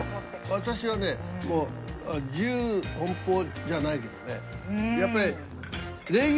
私はねもう自由奔放じゃないけどねやっぱり。